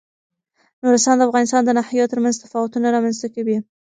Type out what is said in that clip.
نورستان د افغانستان د ناحیو ترمنځ تفاوتونه رامنځ ته کوي.